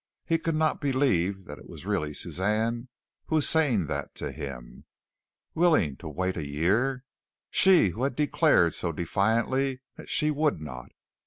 He could not believe that it was really Suzanne who was saying that to him. Willing to wait a year! She who had declared so defiantly that she would not.